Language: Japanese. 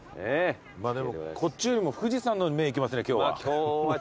でもこっちよりも富士山の方に目行きますね今日は。